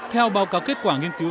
theo báo cáo kết quả nghiên cứu